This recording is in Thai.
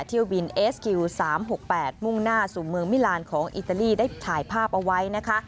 เที่ยวบินเอสกิล๓๖๘มุ่งหน้าสู่เมืองมิลานของอิตาลีได้ถ่ายภาพเอาไว้นะคะ